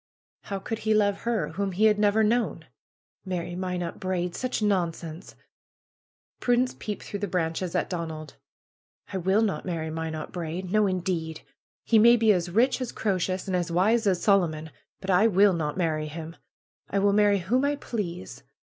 How could he love her, whom he had never known ? Marry Minot Braid ! Such nonsense ! Prudence peeped through the branches at Donald, will not marry Minot Braid! No, indeed! He may be as rich as Croesus and as wise as Solomon; but I will not marry him ! I will marry whom I please.